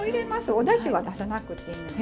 おだしは足さなくていいのでね。